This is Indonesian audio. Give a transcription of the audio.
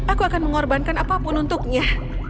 aku akan mengorbankan apapun untuknya